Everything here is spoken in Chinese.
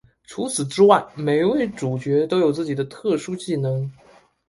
除此之外每位主角都有自己的特殊技能。